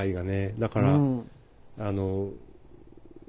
だからあの。